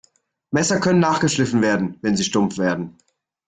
Messer können nachgeschliffen werden, wenn sie stumpf werden.